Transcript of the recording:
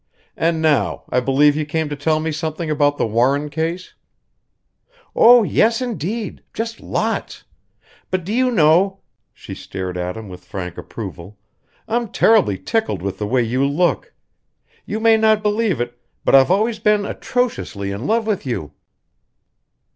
And now I believe you came to tell me something about the Warren case?" "Oh, yes, indeed just lots! But do you know" she stared at him with frank approval "I'm terribly tickled with the way you look. You may not believe it, but I've always been atrociously in love with you."